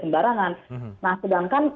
sembarangan nah sedangkan